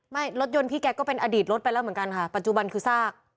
รถยนต์พี่แกก็เป็นอดีตรถไปแล้วเหมือนกันค่ะปัจจุบันคือซาก